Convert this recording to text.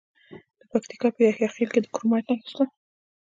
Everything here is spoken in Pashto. د پکتیکا په یحیی خیل کې د کرومایټ نښې شته.